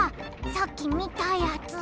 さっきみたやつ。